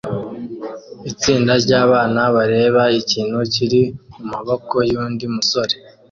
Itsinda ryabana bareba ikintu kiri mumaboko yundi musore